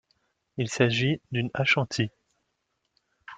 Il s'agit d'une ashanti.